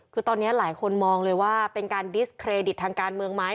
คือตอนนี้หลายคนมองเลยว่าเป็นการดิสเครดิตทางการเมืองไหม